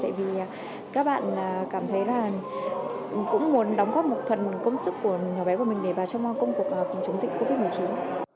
tại vì các bạn cảm thấy là cũng muốn đóng góp một phần công sức của nhỏ bé của mình để vào trong công cuộc phòng chống dịch covid một mươi chín